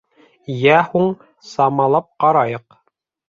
Йә һуң, самалап ҡарайыҡ.